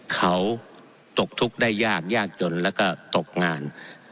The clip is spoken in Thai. เขาตกทุกข์ได้ยากยากจนแล้วก็ตกงาน